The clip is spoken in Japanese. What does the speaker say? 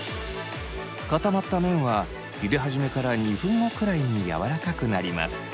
固まった麺はゆで始めから２分後くらいにやわらかくなります。